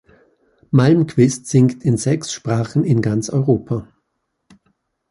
Malmkvist singt in sechs Sprachen in ganz Europa.